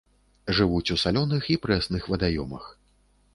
Жывуць у салёных і прэсных вадаёмах.